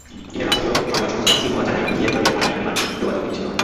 চীনের রাষ্ট্রীয় সংবাদ সংস্থা সিনহুয়া জানায়, ভিয়েতনামের আকাশে বিমানটি যোগাযোগ বিচ্ছিন্ন হয়।